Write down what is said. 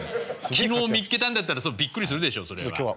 昨日見つけたんだったらビックリするでしょうそれは。